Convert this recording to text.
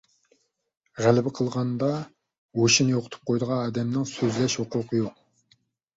غەلىبە قىلغاندا ھوشىنى يوقىتىپ قويىدىغان ئادەمنىڭ سۆزلەش ھوقۇقى يوق!